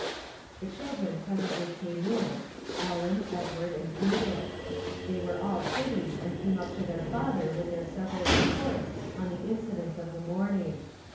The children presently came in, — EUen, Edward, and Edith. They were all pretty, and came up to their father with their several reports on the incidents of the morning.